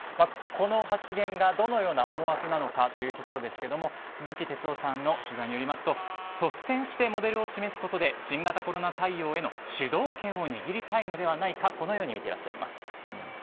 この発言がどのような思惑なのかということですが鈴木哲夫さんの取材によりますと率先してモデルを示すことで新型コロナ対応への主導権を握りたいのではないかと見てらっしゃいます。